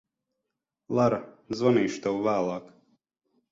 Lara, zvanīšu tev vēlāk.